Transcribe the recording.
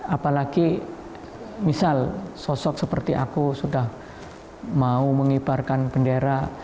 apalagi misal sosok seperti aku sudah mau mengibarkan bendera